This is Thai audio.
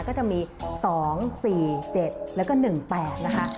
ก็จะมี๒๔๗แล้วก็๑๘นะคะ